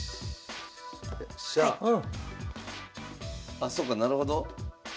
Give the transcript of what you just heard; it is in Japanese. あそうかなるほど。